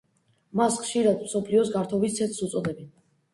მას ხშირად მსოფლიოს გართობის ცენტრს უწოდებენ.